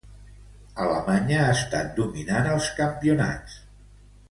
Alemanya ha estat dominant als campionats.